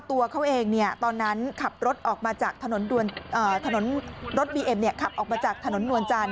ตัวเขาเองตอนนั้นขับรถออกมาจากถนนนวลจันทร์